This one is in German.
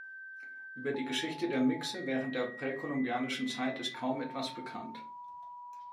Über die Geschichte der Mixe während der präkolumbianischen Zeit ist kaum etwas bekannt.